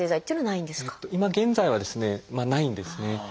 今現在はですねないんですね。